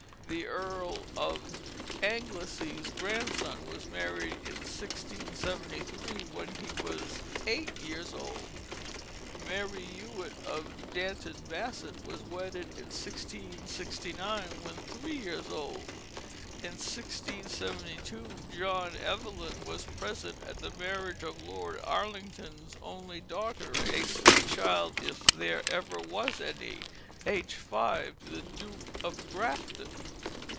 The Earl of Anglesey's grandson was married in 1673, when he was eight years old. Mary Hewitt of Danton Basset was wedded in 1669, when three years old. In 1672 John Evelyn was present "at the marriage of Lord Arlington's only daughter, a sweet child if there ever was any, aged five, to the Duke of Grafton."